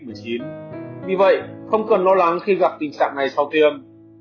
vì vậy không cần lo lắng khi gặp tình trạng này sau tiêm